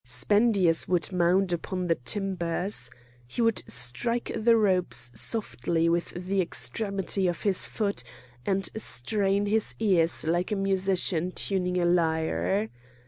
Spendius would mount upon the timbers. He would strike the ropes softly with the extremity of his foot, and strain his ears like a musician tuning a lyre.